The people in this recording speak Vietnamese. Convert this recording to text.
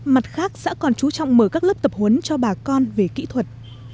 mặt khác xã còn chú trọng mở các lớp tập huấn cho bà con về kỹ thuật